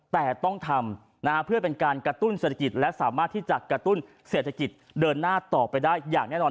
แต่ต้องทำเพื่อเป็นการกระตุ้นเศรษฐกิจและสามารถที่จะกระตุ้นเศรษฐกิจเดินหน้าต่อไปได้อย่างแน่นอน